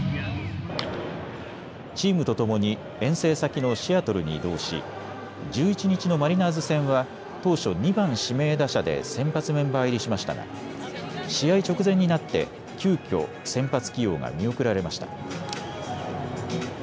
チームとともに遠征先のシアトルに移動し１１日のマリナーズ戦は当初、２番・指名打者で先発メンバー入りしましたが試合直前になって急きょ先発起用が見送られました。